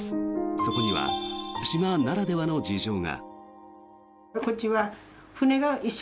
そこには島ならではの事情が。